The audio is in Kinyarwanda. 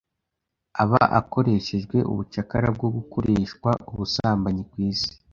aba akoreshejwe ubucakara bwo gukoreshwa ubusambanyi ku isi,